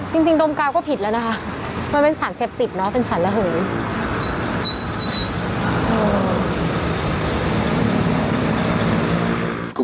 จริงดมกาวก็ผิดแล้วนะคะมันเป็นสารเสพติดเนอะเป็นสารระเหย